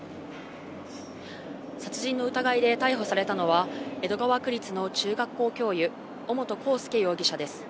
殺人の疑いで逮捕されたのは、江戸川区立の中学校教諭、尾本幸祐容疑者です。